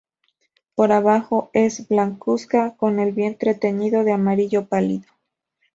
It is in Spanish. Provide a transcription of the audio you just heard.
Por abajo es blancuzca, con el vientre teñido de amarillo pálido.